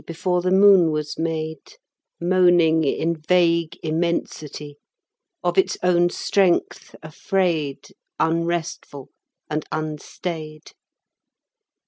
Before the moon was made, Moaning in vague immensity, Of its own strength afraid, Unresful and unstaid.